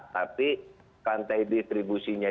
tapi rantai distribusinya